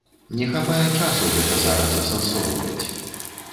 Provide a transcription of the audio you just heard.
Не хапае часу гэта зараз асэнсоўваць.